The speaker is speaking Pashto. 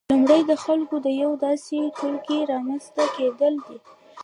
لومړی د خلکو د یو داسې ټولګي رامنځته کېدل دي